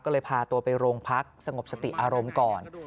ก็เลยพาตัวไปโรงพักสงบสติอารมณ์ก่อน